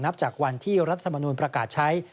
จากวันที่รัฐมนูลประกาศใช้